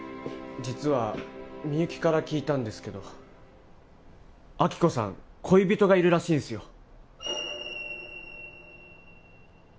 実はみゆきから聞いたんですけど亜希子さん恋人がいるらしいんすよ